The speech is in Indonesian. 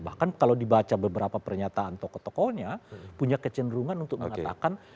bahkan kalau dibaca beberapa pernyataan tokoh tokohnya punya kecenderungan untuk mengatakan